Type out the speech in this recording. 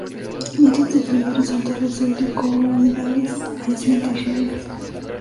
Nidos de cría horizontales o helicoidales, hay celdas reales.